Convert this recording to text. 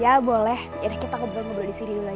ya boleh ya udah kita kembali kembali disini dulu aja ya